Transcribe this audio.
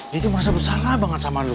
dia tuh merasa bersalah banget sama lu